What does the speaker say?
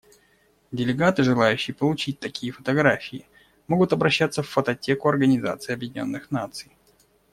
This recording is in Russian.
Делегаты, желающие получить такие фотографии, могут обращаться в Фототеку Организации Объединенных Наций.